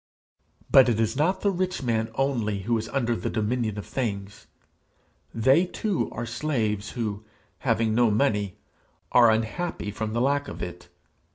But it is not the rich man only who is under the dominion of things; they too are slaves who, having no money, are unhappy from the lack of it.